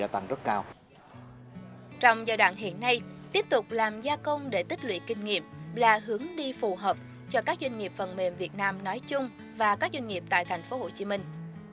trong giai đoạn hiện nay tiếp tục làm gia công để tích lũy kinh nghiệm là hướng đi phù hợp cho các doanh nghiệp phần mềm việt nam nói chung và các doanh nghiệp tại thành phố hồ chí minh